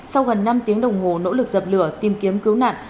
sau gần năm tiếng đồng hồ nỗ lực dập lửa tìm kiếm cứu nạn